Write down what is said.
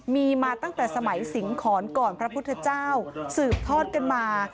มีมาตั้งแต่สมัยสิงหอนก่อนพระพุทธเจ้าสืบทอดกันมา